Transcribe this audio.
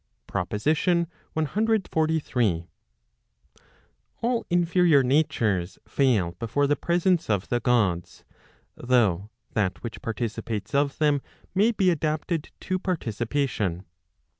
PROPOSITION CXLIII. All inferior natures fail before the presence of the Gods, though that which participates of them may be adapted to participation.